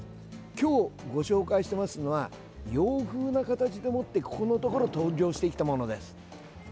今日ご紹介しますのは洋風な形でもってここのところ登場してきたものです。